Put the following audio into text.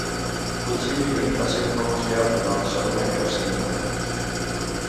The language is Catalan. Uchee Billy va ser un famós cap durant la Segona Guerra Seminola.